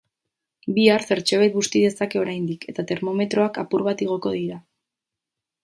Bihar, zertxobait busti dezake oraindik, eta termometroak apur bat igoko dira.